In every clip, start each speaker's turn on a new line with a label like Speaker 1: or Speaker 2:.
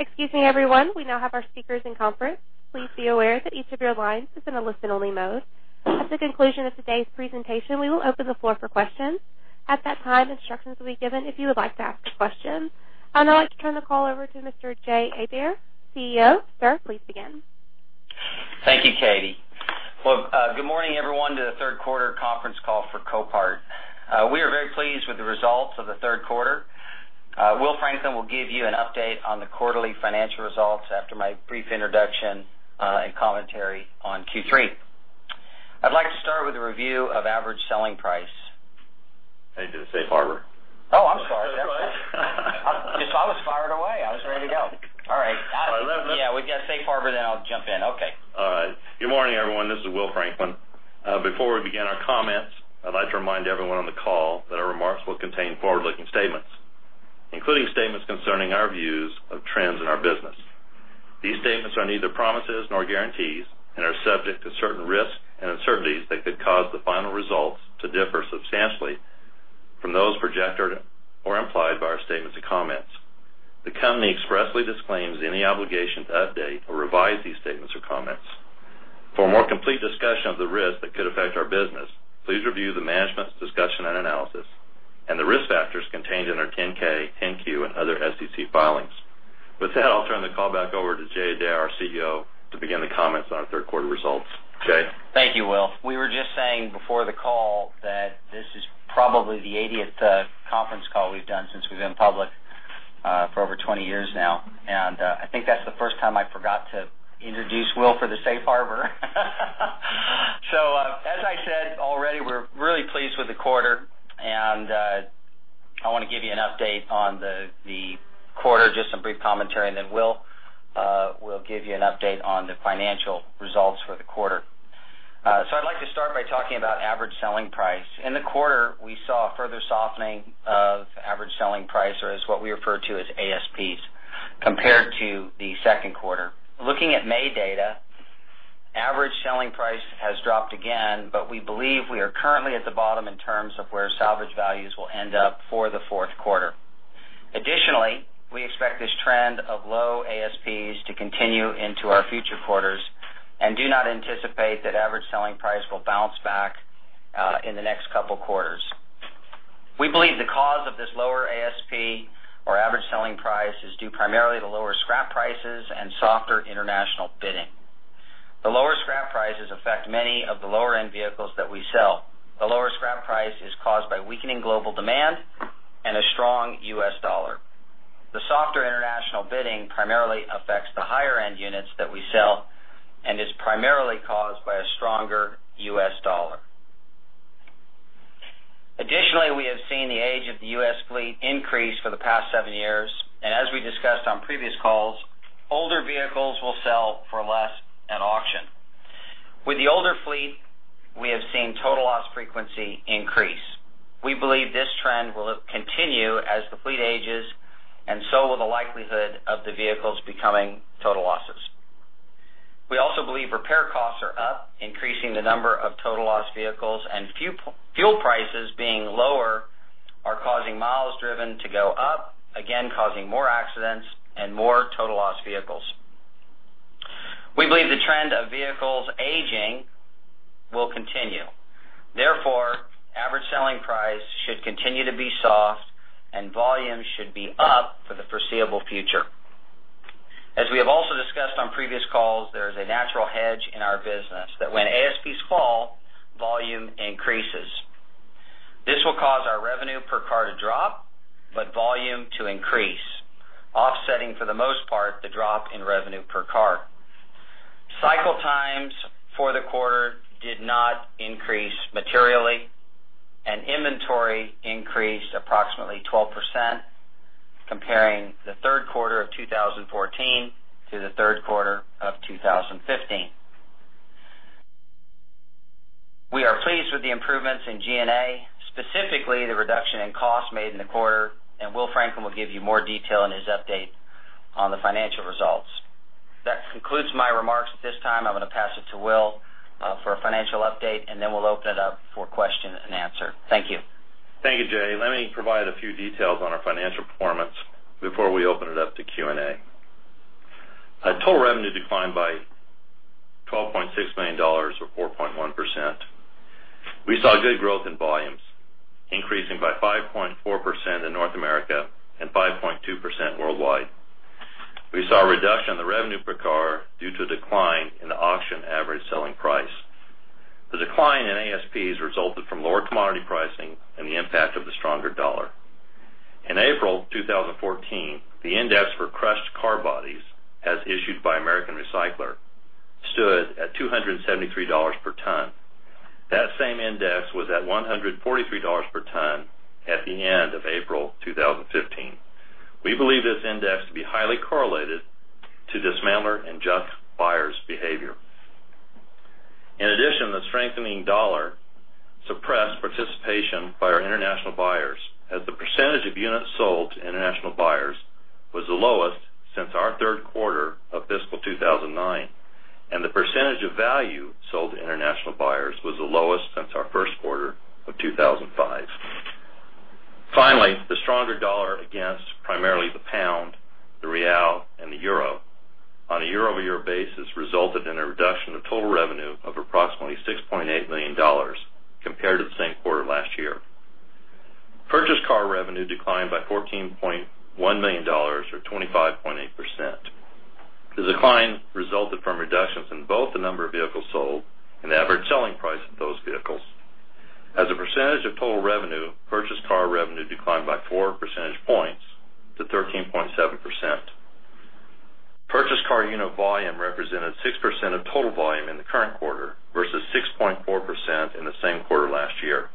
Speaker 1: Excuse me, everyone. We now have our speakers in conference. Please be aware that each of your lines is in a listen-only mode. At the conclusion of today's presentation, we will open the floor for questions. At that time, instructions will be given if you would like to ask a question. I'd now like to turn the call over to Mr. Jay Adair, CEO. Sir, please begin.
Speaker 2: Thank you, Katie. Well, good morning, everyone, to the third quarter conference call for Copart. We are very pleased with the results of the third quarter. Will Franklin will give you an update on the quarterly financial results after my brief introduction and commentary on Q3. I'd like to start with a review of average selling price.
Speaker 3: I need to do the safe harbor.
Speaker 2: Oh, I'm sorry.
Speaker 3: That's all right.
Speaker 2: I was fired away. I was ready to go. All right.
Speaker 3: I love it.
Speaker 2: Yeah, we've got safe harbor. I'll jump in. Okay.
Speaker 3: All right. Good morning, everyone. This is Will Franklin. Before we begin our comments, I'd like to remind everyone on the call that our remarks will contain forward-looking statements, including statements concerning our views of trends in our business. These statements are neither promises nor guarantees and are subject to certain risks and uncertainties that could cause the final results to differ substantially from those projected or implied by our statements or comments. The company expressly disclaims any obligation to update or revise these statements or comments. For a more complete discussion of the risks that could affect our business, please review the management's discussion and analysis and the risk factors contained in our 10-K, 10-Q, and other SEC filings. With that, I'll turn the call back over to Jay Adair, our CEO, to begin the comments on our third quarter results. Jay?
Speaker 2: Thank you, Will. We were just saying before the call that this is probably the 80th conference call we've done since we've been public for over 20 years now, and I think that's the first time I forgot to introduce Will for the safe harbor. As I said already, we're really pleased with the quarter, and I want to give you an update on the quarter, just some brief commentary, and then Will will give you an update on the financial results for the quarter. I'd like to start by talking about average selling price. In the quarter, we saw a further softening of average selling price, or as what we refer to as ASPs, compared to the second quarter. Looking at May data, average selling price has dropped again, but we believe we are currently at the bottom in terms of where salvage values will end up for the fourth quarter. Additionally, we expect this trend of low ASPs to continue into our future quarters and do not anticipate that average selling price will bounce back in the next couple quarters. We believe the cause of this lower ASP or average selling price is due primarily to lower scrap prices and softer international bidding. The lower scrap prices affect many of the lower-end vehicles that we sell. The lower scrap price is caused by weakening global demand and a strong U.S. dollar. The softer international bidding primarily affects the higher-end units that we sell and is primarily caused by a stronger U.S. dollar. Additionally, we have seen the age of the U.S. fleet increase for the past seven years, and as we discussed on previous calls, older vehicles will sell for less at auction. With the older fleet, we have seen total loss frequency increase. We believe this trend will continue as the fleet ages and so will the likelihood of the vehicles becoming total losses. We also believe repair costs are up, increasing the number of total loss vehicles, and fuel prices being lower are causing miles driven to go up, again, causing more accidents and more total loss vehicles. We believe the trend of vehicles aging will continue. Therefore, average selling price should continue to be soft, and volume should be up for the foreseeable future. As we have also discussed on previous calls, there is a natural hedge in our business that when ASPs fall, volume increases. This will cause our revenue per car to drop, but volume to increase, offsetting, for the most part, the drop in revenue per car. Cycle times for the quarter did not increase materially, and inventory increased approximately 12%, comparing the third quarter of 2014 to the third quarter of 2015. We are pleased with the improvements in G&A, specifically the reduction in costs made in the quarter, and Will Franklin will give you more detail in his update on the financial results. That concludes my remarks at this time. I am going to pass it to Will for a financial update, and then we will open it up for question and answer. Thank you.
Speaker 3: Thank you, Jay. Let me provide a few details on our financial performance before we open it up to Q&A. Total revenue declined by $12.6 million or 4.1%. We saw good growth in volumes, increasing by 5.4% in North America and 5.2% worldwide. We saw a reduction in the revenue per car due to a decline in the auction Average Selling Price. The decline in ASPs resulted from lower commodity pricing and the impact of the stronger dollar. In April 2014, the index for crushed car bodies, as issued by American Recycler, stood at $273 per ton. That same index was at $143 per ton at the end of April 2015. We believe this index to be highly correlated to dismantler and junk buyers' behavior. In addition, the strengthening dollar suppressed participation by our international buyers, as the percentage of units sold to international buyers was the lowest since our third quarter of fiscal 2009, and the percentage of value sold to international buyers was the lowest since our first quarter of 2005. The stronger dollar against primarily the pound, the real, and the euro on a year-over-year basis resulted in a reduction of total revenue of approximately $6.8 million compared to the same quarter last year. Purchased car revenue declined by $14.1 million, or 25.8%. The decline resulted from reductions in both the number of vehicles sold and the Average Selling Price of those vehicles. As a percentage of total revenue, purchased car revenue declined by four percentage points to 13.7%. Purchased car unit volume represented 6% of total volume in the current quarter versus 6.4% in the same quarter last year.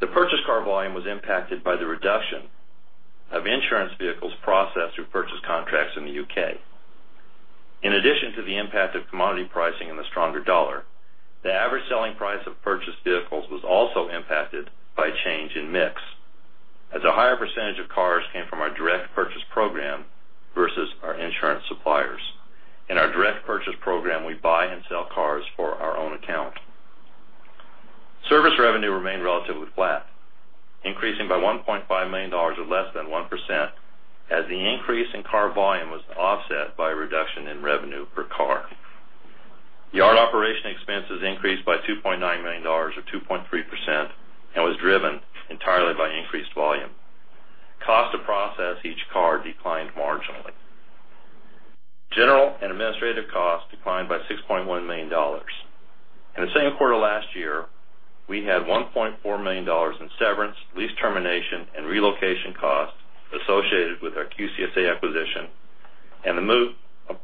Speaker 3: The purchased car volume was impacted by the reduction of insurance vehicles processed through purchase contracts in the U.K. In addition to the impact of commodity pricing and the stronger dollar, the Average Selling Price of purchased vehicles was also impacted by change in mix, as a higher percentage of cars came from our direct purchase program versus our insurance suppliers. In our direct purchase program, we buy and sell cars for our own account. Service revenue remained relatively flat, increasing by $1.5 million or less than 1%, as the increase in car volume was offset by a reduction in revenue per car. Yard operation expenses increased by $2.9 million, or 2.3%, and was driven entirely by increased volume. Cost to process each car declined marginally. General and administrative costs declined by $6.1 million. In the same quarter last year, we had $1.4 million in severance, lease termination, and relocation costs associated with our QCSA acquisition and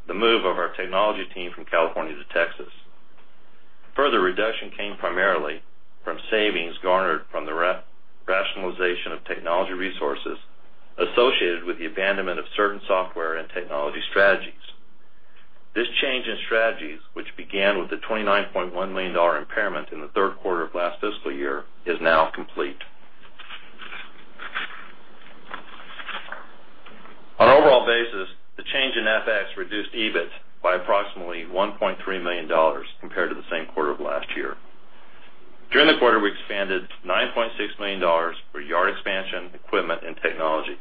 Speaker 3: the move of our technology team from California to Texas. Further reduction came primarily from savings garnered from the rationalization of technology resources associated with the abandonment of certain software and technology strategies. This change in strategies, which began with the $29.1 million impairment in the third quarter of last fiscal year, is now complete. On an overall basis, the change in FX reduced EBIT by approximately $1.3 million compared to the same quarter of last year. During the quarter, we expanded $9.6 million for yard expansion, equipment, and technology.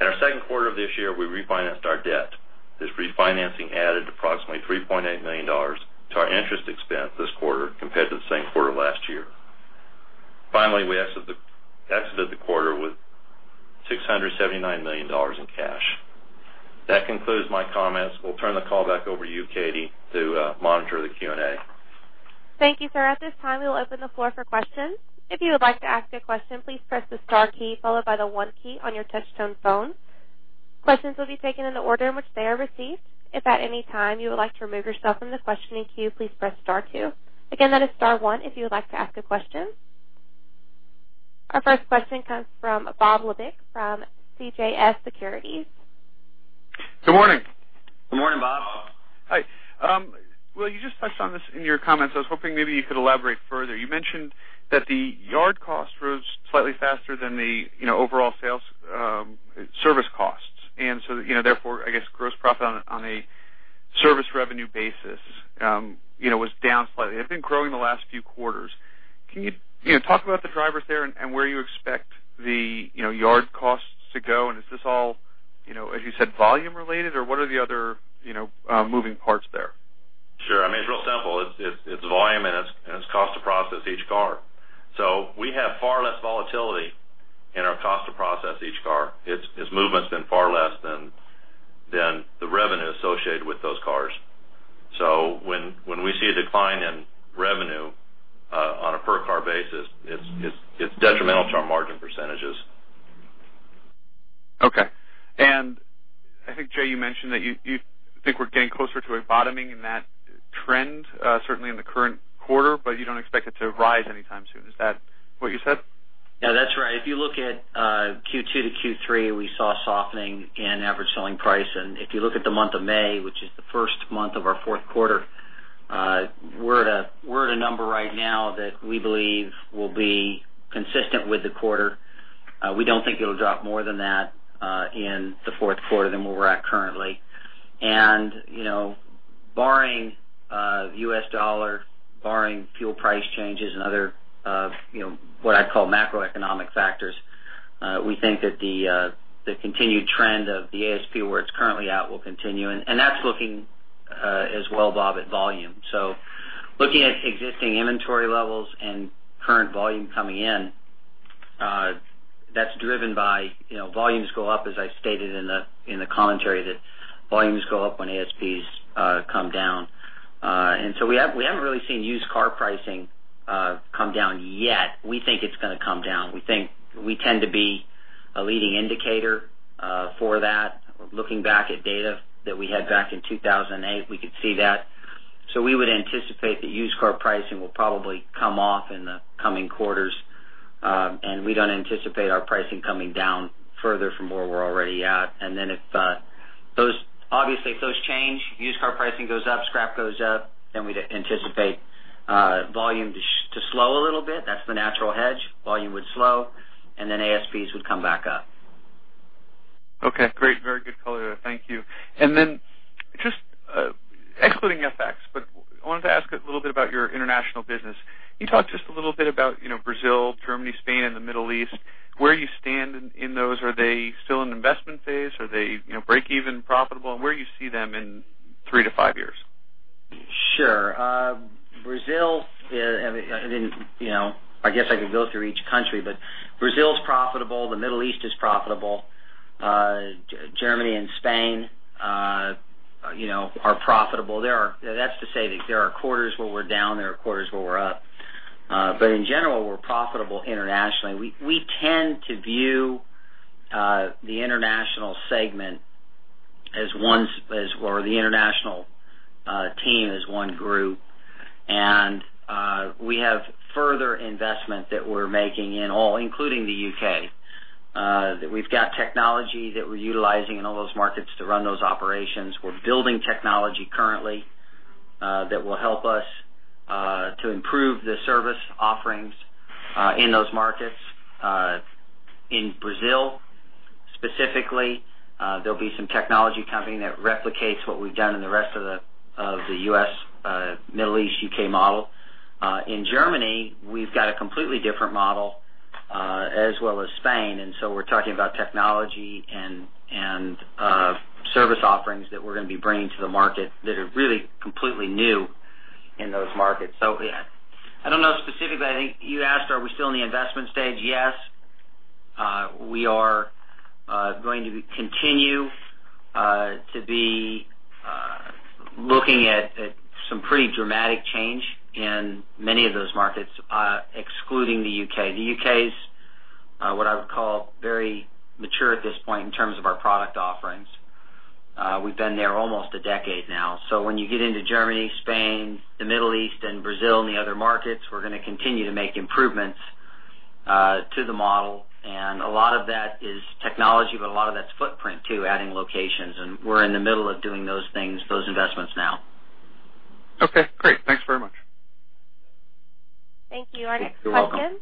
Speaker 3: In our second quarter of this year, we refinanced our debt. This refinancing added approximately $3.8 million to our interest expense this quarter compared to the same quarter last year. We exited the quarter with $679 million in cash. That concludes my comments. We'll turn the call back over to you, Katie, to monitor the Q&A.
Speaker 1: Thank you, sir. At this time, we will open the floor for questions. If you would like to ask a question, please press the star key followed by the one key on your touch tone phone. Questions will be taken in the order in which they are received. If at any time you would like to remove yourself from the questioning queue, please press star two. Again, that is star one if you would like to ask a question. Our first question comes from Robert Labick from CJS Securities.
Speaker 4: Good morning.
Speaker 3: Good morning, Bob.
Speaker 4: Hi. Will, you just touched on this in your comments. I was hoping maybe you could elaborate further. You mentioned that the yard cost rose slightly faster than the overall sales service costs, and so therefore, I guess, gross profit on a service revenue basis was down slightly. It's been growing the last few quarters. Can you talk about the drivers there and where you expect the yard costs to go? Is this all, as you said, volume related, or what are the other moving parts there?
Speaker 3: Sure. It's real simple. It's volume, and it's cost to process each car. We have far less volatility in our cost to process each car. Its movement's been far less than the revenue associated with those cars. When we see a decline in revenue on a per car basis, it's detrimental to our margin percentages.
Speaker 4: Okay. I think, Jay, you mentioned that you think we're getting closer to a bottoming in that trend certainly in the current quarter, but you don't expect it to rise anytime soon. Is that what you said?
Speaker 2: Yeah, that's right. If you look at Q2 to Q3, we saw a softening in average selling price, and if you look at the month of May, which is the first month of our fourth quarter, we're at a number right now that we believe will be consistent with the quarter. We don't think it'll drop more than that in the fourth quarter than where we're at currently. Barring US dollar, barring fuel price changes and other, what I'd call macroeconomic factors, we think that the continued trend of the ASP where it's currently at will continue. That's looking as well, Bob, at volume. Looking at existing inventory levels and current volume coming in, that's driven by volumes go up, as I stated in the commentary, that volumes go up when ASPs come down. We haven't really seen used car pricing come down yet. We think it's going to come down. We think we tend to be a leading indicator for that. Looking back at data that we had back in 2008, we could see that. We would anticipate that used car pricing will probably come off in the coming quarters. We don't anticipate our pricing coming down further from where we're already at. Obviously, if those change, used car pricing goes up, scrap goes up, we'd anticipate volume to slow a little bit. That's the natural hedge. Volume would slow, ASPs would come back up.
Speaker 4: Okay, great. Very good color there. Thank you. Just excluding FX, but I wanted to ask a little bit about your international business. Can you talk just a little bit about Brazil, Germany, Spain, and the Middle East, where you stand in those? Are they still in investment phase? Are they breakeven profitable and where you see them in three to five years?
Speaker 2: Sure. Brazil, I guess I could go through each country, but Brazil is profitable. The Middle East is profitable. Germany and Spain are profitable. That's to say that there are quarters where we're down, there are quarters where we're up. In general, we're profitable internationally. We tend to view the international segment, or the international team as one group. We have further investment that we're making in all, including the U.K., that we've got technology that we're utilizing in all those markets to run those operations. We're building technology currently that will help us to improve the service offerings in those markets. In Brazil, specifically, there'll be some technology coming that replicates what we've done in the rest of the U.S., Middle East, U.K. model. In Germany, we've got a completely different model, as well as Spain. We're talking about technology and service offerings that we're going to be bringing to the market that are really completely new in those markets. I don't know specifically. I think you asked, are we still in the investment stage? Yes. We are going to continue to be looking at some pretty dramatic change in many of those markets, excluding the U.K. The U.K. is what I would call very mature at this point in terms of our product offerings. We've been there almost a decade now. When you get into Germany, Spain, the Middle East, and Brazil, and the other markets, we're going to continue to make improvements to the model. A lot of that is technology, but a lot of that's footprint, too, adding locations. We're in the middle of doing those things, those investments now.
Speaker 4: Okay, great. Thanks very much.
Speaker 1: Thank you.
Speaker 2: You're welcome.
Speaker 1: Our next question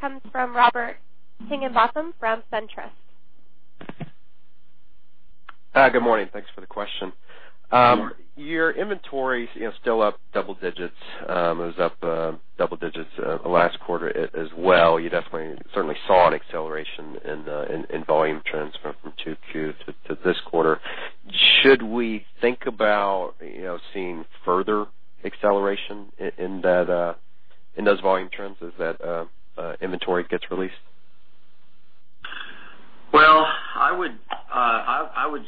Speaker 1: comes from Robert Higginbotham from SunTrust.
Speaker 5: Good morning. Thanks for the question. Your inventory is still up double digits. It was up double digits last quarter as well. You definitely certainly saw an acceleration in volume trends from 2Q to this quarter. Should we think about seeing further acceleration in those volume trends as that inventory gets released?
Speaker 2: Well, I would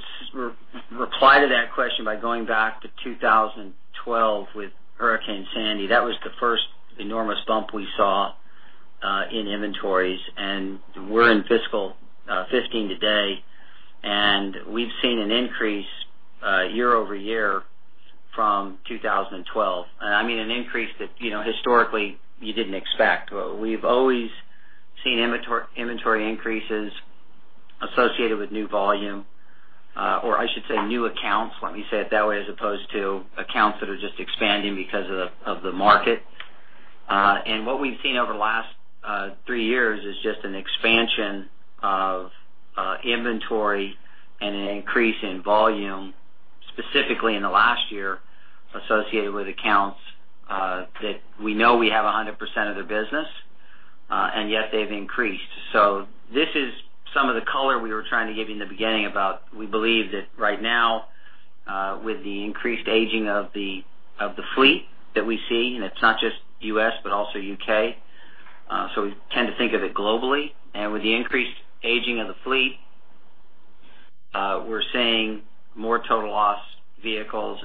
Speaker 2: reply to that question by going back to 2012 with Hurricane Sandy. That was the first enormous bump we saw in inventories. We're in fiscal 2015 today, and we've seen an increase year-over-year from 2012. I mean an increase that historically you didn't expect. We've always seen inventory increases associated with new volume, or I should say new accounts, let me say it that way, as opposed to accounts that are just expanding because of the market. What we've seen over the last three years is just an expansion of inventory and an increase in volume, specifically in the last year, associated with accounts that we know we have 100% of their business, and yet they've increased. This is some of the color we were trying to give you in the beginning about, we believe that right now, with the increased aging of the fleet that we see, and it's not just U.S., but also U.K. We tend to think of it globally. With the increased aging of the fleet, we're seeing more total loss vehicles.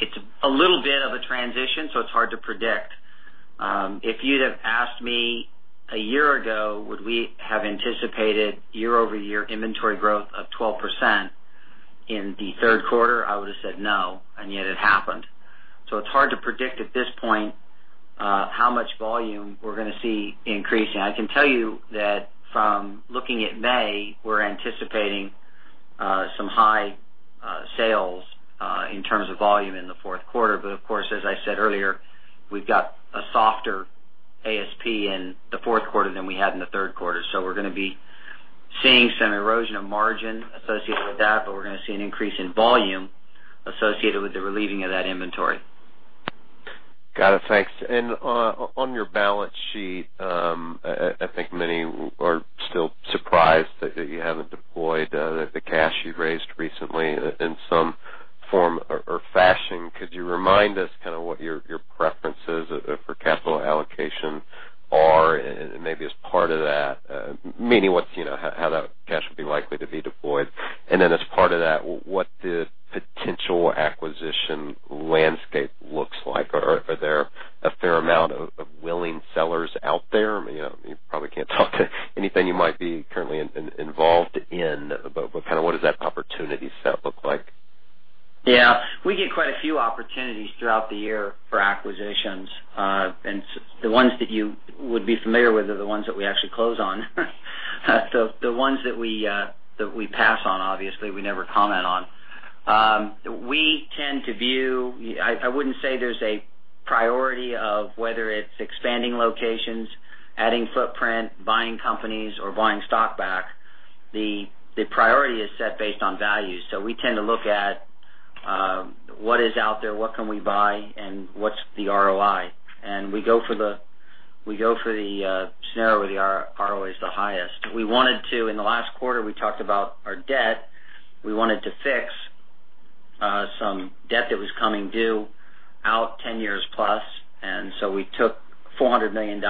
Speaker 2: It's a little bit of a transition, so it's hard to predict. If you'd have asked me a year ago, would we have anticipated year-over-year inventory growth of 12% in the third quarter, I would have said no, and yet it happened. It's hard to predict at this point how much volume we're going to see increasing. I can tell you that from looking at May, we're anticipating some high sales in terms of volume in the fourth quarter. Of course, as I said earlier, we've got a softer ASP in the fourth quarter than we had in the third quarter. We're going to be seeing some erosion of margin associated with that, but we're going to see an increase in volume associated with the relieving of that inventory.
Speaker 5: Got it. Thanks. On your balance sheet, I think many are still surprised that you haven't deployed the cash you've raised recently in some form or fashion. Could you remind us what your preferences for capital allocation are? Maybe as part of that, meaning how that cash would be likely to be deployed. Then as part of that, what the potential acquisition landscape looks like. Are there a fair amount of willing sellers out there? You probably can't talk to anything you might be currently involved in, but what does that opportunity set look like?
Speaker 2: Yeah. We get quite a few opportunities throughout the year for acquisitions. The ones that you would be familiar with are the ones that we actually close on. The ones that we pass on, obviously, we never comment on. We tend to view, I wouldn't say there's a priority of whether it's expanding locations, adding footprint, buying companies, or buying stock back. The priority is set based on value. We tend to look at what is out there, what can we buy, and what's the ROI. We go for the scenario where the ROI is the highest. We wanted to, in the last quarter, we talked about our debt. We wanted to fix some debt that was coming due out 10 years+. We took $400 million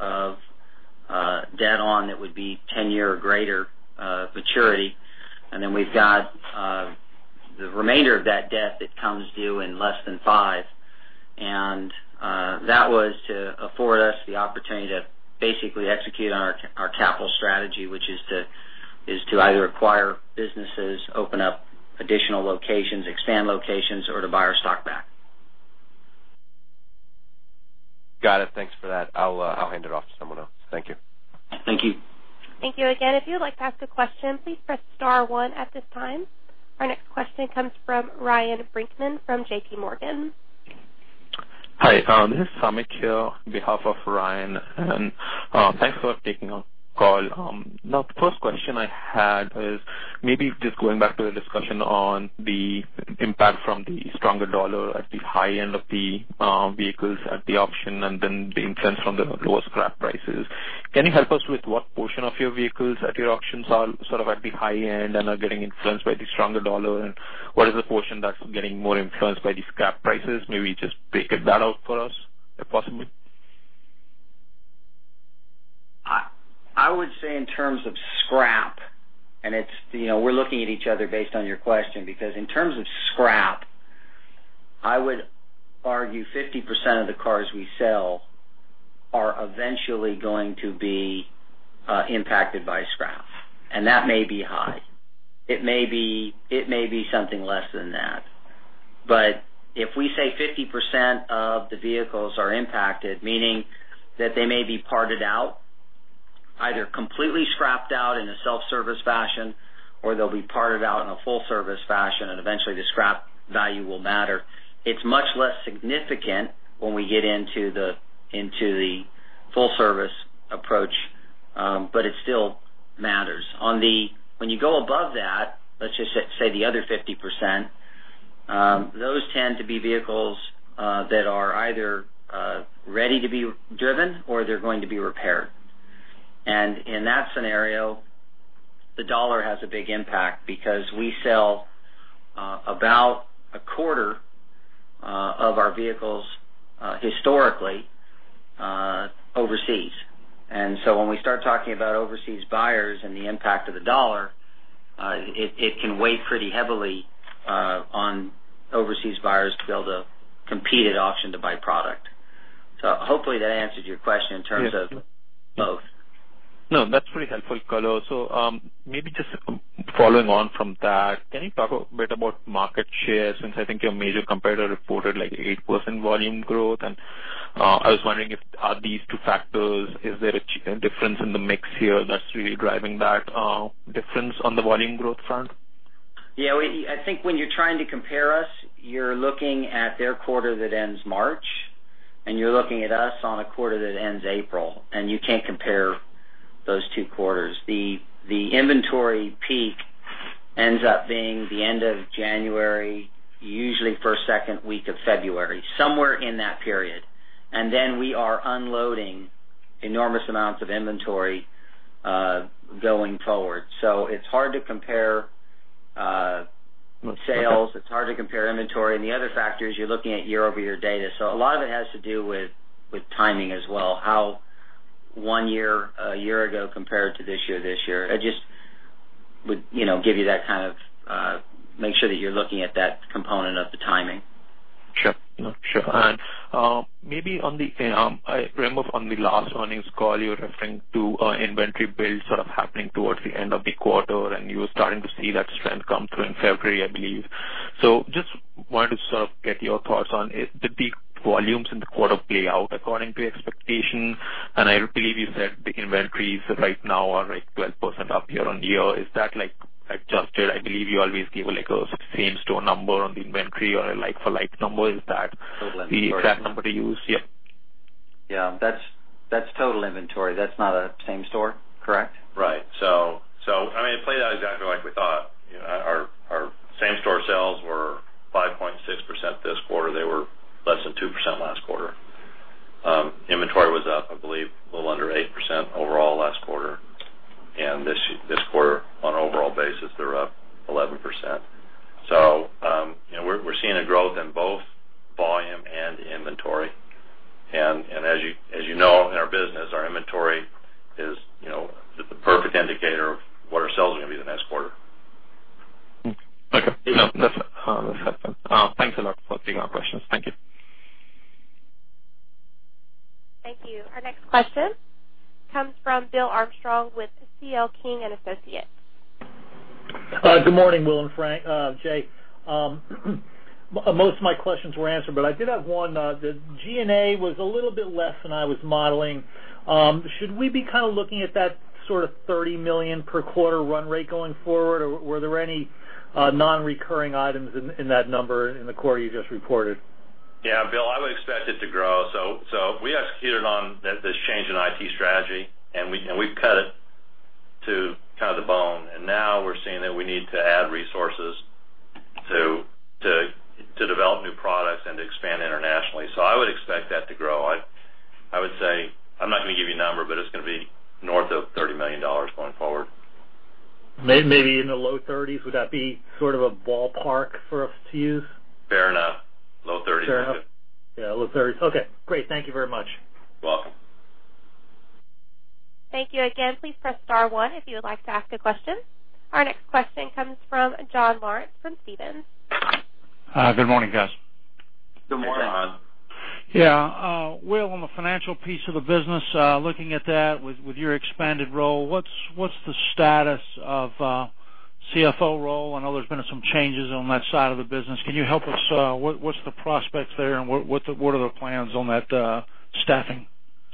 Speaker 2: of debt on that would be 10-year or greater maturity. We've got the remainder of that debt that comes due in less than five. That was to afford us the opportunity to basically execute on our capital strategy, which is to either acquire businesses, open up additional locations, expand locations, or to buy our stock back.
Speaker 5: Got it. Thanks for that. I'll hand it off to someone else. Thank you.
Speaker 2: Thank you.
Speaker 1: Thank you again. If you'd like to ask a question, please press star one at this time. Our next question comes from Ryan Brinkman from J.P. Morgan.
Speaker 6: Hi, this is Amit here on behalf of Ryan, thanks for taking our call. The first question I had is maybe just going back to the discussion on the impact from the stronger dollar at the high end of the vehicles at the auction, and then the influence from the lower scrap prices. Can you help us with what portion of your vehicles at your auctions are sort of at the high end and are getting influenced by the stronger dollar? And what is the portion that's getting more influenced by the scrap prices? Maybe just break that out for us, if possible.
Speaker 2: I would say in terms of scrap, we're looking at each other based on your question. In terms of scrap, I would argue 50% of the cars we sell are eventually going to be impacted by scrap. That may be high. It may be something less than that. If we say 50% of the vehicles are impacted, meaning that they may be parted out, either completely scrapped out in a self-service fashion, or they'll be parted out in a full service fashion, eventually the scrap value will matter. It's much less significant when we get into the full service approach, but it still matters. When you go above that, let's just say the other 50%, those tend to be vehicles that are either ready to be driven or they're going to be repaired. In that scenario, the dollar has a big impact because we sell about a quarter of our vehicles historically overseas. When we start talking about overseas buyers and the impact of the dollar, it can weigh pretty heavily on overseas buyers to be able to compete at auction to buy product. Hopefully that answered your question in terms of both.
Speaker 6: No, that's pretty helpful, Culler. Maybe just following on from that, can you talk a bit about market share, since I think your major competitor reported like 8% volume growth. I was wondering, is there a difference in the mix here that's really driving that difference on the volume growth front?
Speaker 2: Yeah. I think when you're trying to compare us, you're looking at their quarter that ends March, you're looking at us on a quarter that ends April, you can't compare those two quarters. The inventory peak ends up being the end of January, usually first, second week of February, somewhere in that period. Then we are unloading enormous amounts of inventory going forward. It's hard to compare sales, it's hard to compare inventory. The other factor is you're looking at year-over-year data. A lot of it has to do with timing as well, how one year, a year ago compared to this year this year. I just would make sure that you're looking at that component of the timing.
Speaker 6: Sure. Maybe on the, I remember from the last earnings call, you were referring to inventory build sort of happening towards the end of the quarter, and you were starting to see that trend come through in February, I believe. Just wanted to sort of get your thoughts on if the peak volumes in the quarter play out according to expectation. I believe you said the inventories right now are like 12% up year on year. Is that like adjusted? I believe you always give like a same-store number on the inventory or a like-for-like number. Is that?
Speaker 2: Total inventory
Speaker 6: the exact number to use? Yep.
Speaker 2: Yeah, that's total inventory. That's not a same-store, correct?
Speaker 3: Right. It played out exactly like we thought. Our same-store sales were 5.6% this quarter. They were less than 2% last quarter. Inventory was up, I believe a little under 8% overall last quarter. This quarter on an overall basis, they're up 11%. We're seeing a growth in both volume and inventory. As you know, in our business, our inventory is the perfect indicator of what our sales are going to be the next quarter.
Speaker 6: Okay. No, that's helpful. Thanks a lot for taking our questions. Thank you.
Speaker 1: Thank you. Our next question comes from Bill Armstrong with C.L. King & Associates.
Speaker 7: Good morning, Will and Jay. Most of my questions were answered. I did have one. The G&A was a little bit less than I was modeling. Should we be kind of looking at that sort of $30 million per quarter run rate going forward? Were there any non-recurring items in that number in the quarter you just reported?
Speaker 3: Yeah, Bill, I would expect it to grow. We executed on this change in IT strategy, and we've cut it to the bone. Now we're seeing that we need to add resources to develop new products and to expand internationally. I would expect that to grow. I'm not going to give you a number, but it's going to be north of $30 million going forward.
Speaker 7: Maybe in the low 30s. Would that be sort of a ballpark for us to use?
Speaker 3: Fair enough. Low 30s.
Speaker 7: Fair enough. Yeah, low 30s. Okay, great. Thank you very much.
Speaker 3: Welcome.
Speaker 1: Thank you again. Please press star one if you would like to ask a question. Our next question comes from John Lawrence from Stephens.
Speaker 8: Hi, good morning, guys.
Speaker 3: Good morning, John.
Speaker 8: Yeah. Will, on the financial piece of the business, looking at that with your expanded role, what's the status of CFO role? I know there's been some changes on that side of the business. Can you help us, what's the prospects there, and what are the plans on that staffing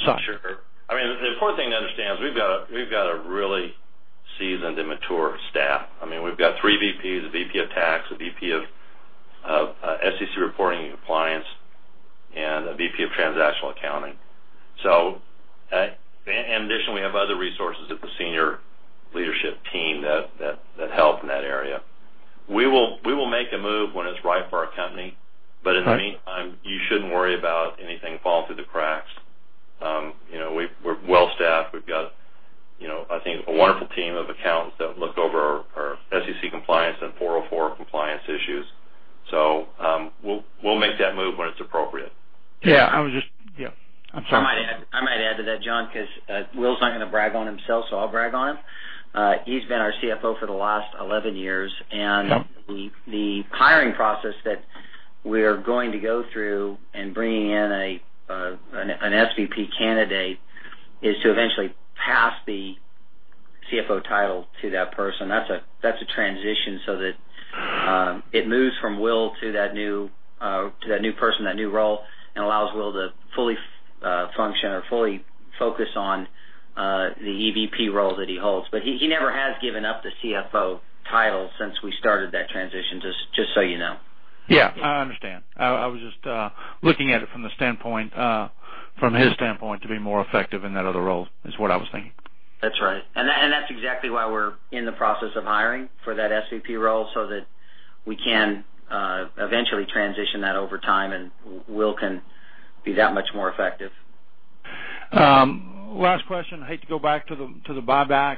Speaker 8: side?
Speaker 3: Sure. The important thing to understand is we've got a really seasoned and mature staff. We've got three VPs, a VP of tax, a VP of SEC reporting and compliance, and a VP of transactional accounting. In addition, we have other resources at the senior leadership team that help in that area. We will make a move when it's right for our company.
Speaker 8: Okay.
Speaker 3: In the meantime, you shouldn't worry about anything falling through the cracks. We're well-staffed. We've got, I think, a wonderful team of accountants that look over our SEC compliance and 404 compliance issues. We'll make that move when it's appropriate.
Speaker 8: Yeah. I was just. I'm sorry.
Speaker 2: I might add to that, John, because Will's not going to brag on himself, so I'll brag on him. He's been our CFO for the last 11 years.
Speaker 8: Yeah
Speaker 2: The hiring process that we're going to go through and bringing in an SVP candidate is to eventually pass the CFO title to that person. That's a transition so that it moves from Will to that new person, that new role, and allows Will to fully function or fully focus on the EVP role that he holds. He never has given up the CFO title since we started that transition, just so you know.
Speaker 8: Yeah, I understand. I was just looking at it from his standpoint to be more effective in that other role, is what I was thinking.
Speaker 2: That's right. That's exactly why we're in the process of hiring for that SVP role so that we can eventually transition that over time, and Will can be that much more effective.
Speaker 8: Last question. I hate to go back to the buyback.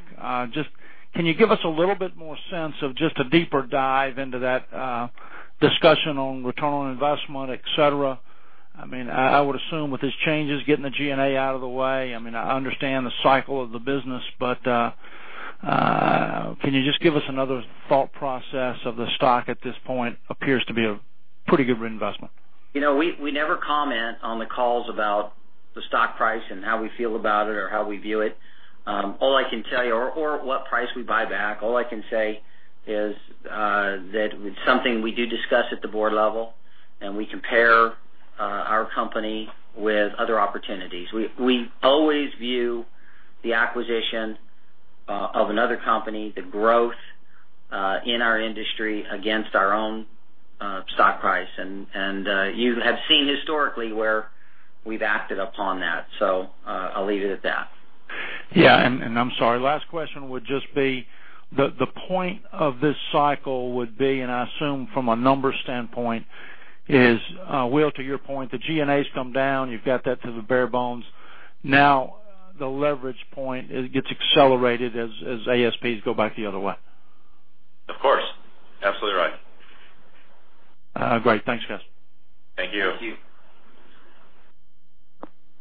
Speaker 8: Can you give us a little bit more sense of just a deeper dive into that discussion on return on investment, et cetera? I would assume with these changes, getting the G&A out of the way. I understand the cycle of the business, can you just give us another thought process of the stock at this point appears to be a pretty good reinvestment?
Speaker 2: We never comment on the calls about the stock price and how we feel about it or how we view it. What price we buy back. All I can say is that it's something we do discuss at the board level, and we compare our company with other opportunities. We always view the acquisition of another company, the growth in our industry against our own stock price. You have seen historically where we've acted upon that. I'll leave it at that.
Speaker 8: Yeah. I'm sorry, last question would just be the point of this cycle would be, I assume from a numbers standpoint is, Will, to your point, the G&A's come down. You've got that to the bare bones. Now, the leverage point gets accelerated as ASPs go back the other way.
Speaker 3: Of course. Absolutely right.
Speaker 8: Great. Thanks, guys.
Speaker 3: Thank you.
Speaker 2: Thank you.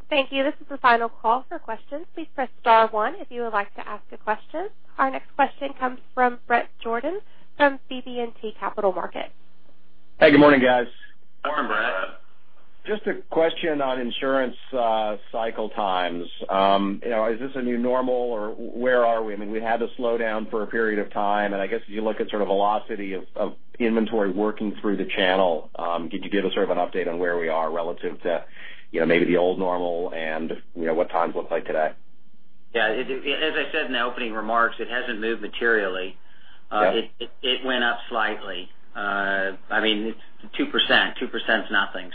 Speaker 1: Thank you. This is the final call for questions. Please press star one if you would like to ask a question. Our next question comes from Bret Jordan from BB&T Capital Markets.
Speaker 9: Hey, good morning, guys.
Speaker 3: Morning, Bret.
Speaker 2: Morning, Bret.
Speaker 9: Just a question on insurance cycle times. Is this a new normal or where are we? I guess as you look at sort of velocity of inventory working through the channel, could you give us sort of an update on where we are relative to maybe the old normal and what times look like today?
Speaker 2: Yeah. As I said in the opening remarks, it hasn't moved materially.
Speaker 9: Okay.
Speaker 2: It went up slightly. It's 2%. 2%'s nothing.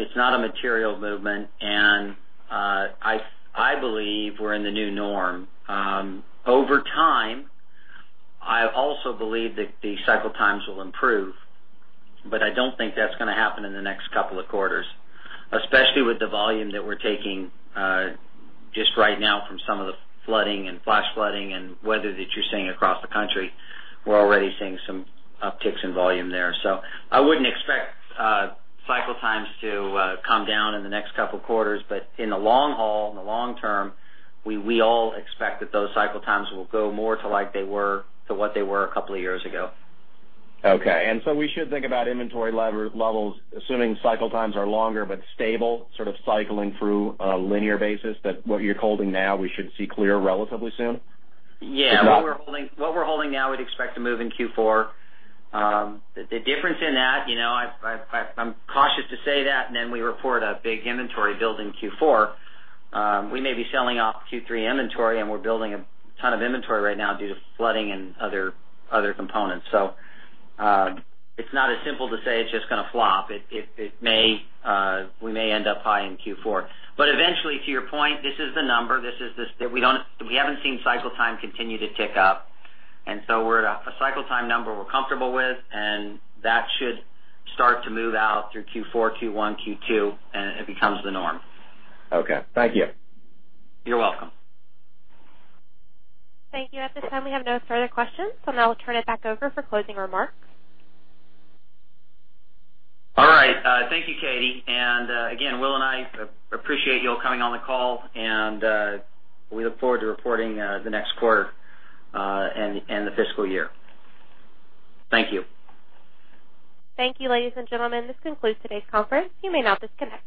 Speaker 2: It's not a material movement, and I believe we're in the new norm. Over time, I also believe that the cycle times will improve, but I don't think that's going to happen in the next couple of quarters, especially with the volume that we're taking just right now from some of the flooding and flash flooding and weather that you're seeing across the country. We're already seeing some upticks in volume there. I wouldn't expect cycle times to come down in the next couple of quarters. In the long haul, in the long term, we all expect that those cycle times will go more to what they were a couple of years ago.
Speaker 9: Okay. We should think about inventory levels, assuming cycle times are longer but stable, sort of cycling through a linear basis, that what you're holding now, we should see clear relatively soon?
Speaker 2: Yeah. What we're holding now, we'd expect to move in Q4. The difference in that, I'm cautious to say that, and then we report a big inventory build in Q4. We may be selling off Q3 inventory, and we're building a ton of inventory right now due to flooding and other components. It's not as simple to say it's just going to flop. We may end up high in Q4. Eventually, to your point, this is the number. We haven't seen cycle time continue to tick up, and so we're at a cycle time number we're comfortable with, and that should start to move out through Q4, Q1, Q2, and it becomes the norm.
Speaker 9: Okay. Thank you.
Speaker 2: You're welcome.
Speaker 1: Thank you. At this time, we have no further questions. Now I'll turn it back over for closing remarks.
Speaker 2: All right. Thank you, Katie. Again, Will and I appreciate you all coming on the call, and we look forward to reporting the next quarter and the fiscal year. Thank you.
Speaker 1: Thank you, ladies and gentlemen. This concludes today's conference. You may now disconnect.